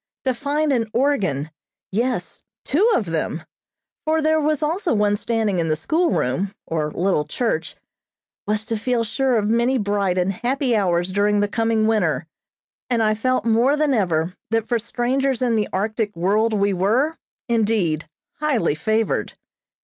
To find an organ, yes, two of them, for there was also one standing in the schoolroom, or little church, was to feel sure of many bright and happy hours during the coming winter, and I felt more than ever that for strangers in the Arctic world we were, indeed, highly favored.